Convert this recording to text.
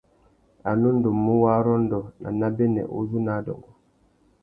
A nu ndú mú warrôndô nà nêbênê uzu nà adôngô.